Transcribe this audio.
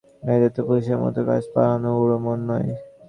মেয়েদের তো পুরুষদের মতো কাজ-পালানো উড়ো মন নয়।